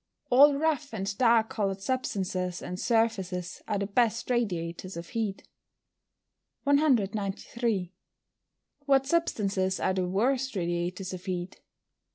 _ All rough and dark coloured substances and surfaces are the best radiators of heat. 193. _What substances are the worst radiators of heat?